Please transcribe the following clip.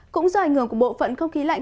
cũng do ảnh hưởng của bộ phận không khí lạnh